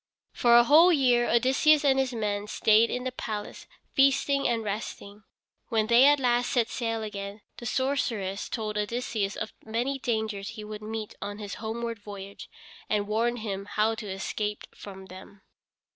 For a whole year Odysseus and his men stayed in the palace, feasting and resting. When they at last set sail again the sorceress told Odysseus of many dangers he would meet on his homeward voyage, and warned him how to escape from them.